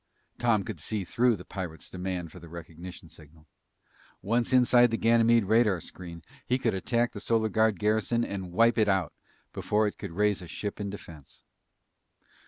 Tom could see through the pirate's demand for the recognition signal. Once inside the Ganymede radar screen, he could attack the Solar Guard garrison and wipe it out before it could raise a ship in defense.